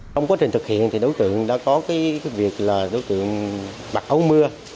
trong quá trình thực hiện đối tượng đã có việc bặt ấu mưa